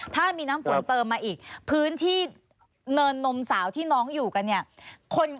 ถ้ามีน้ำฝนเติมมาอีกพื้นที่เนินนมสาวที่น้องอยู่กันเนี่ย